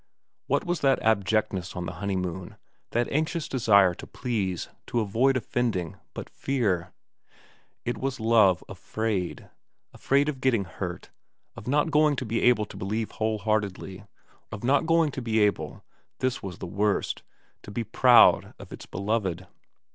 What was that abjectness on the honeymoon, that anxious desire to please, to avoid offending, but fear ? It was love afraid ; afraid of getting hurt, of not going to be able to believe whole heartedly, of not going to be able this was the worst to be proud of its beloved.